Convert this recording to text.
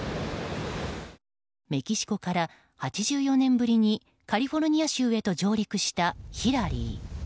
メキシコから８４年ぶりにカリフォルニア州へと上陸したヒラリー。